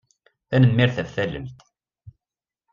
Tanemmirt ɣef tallelt.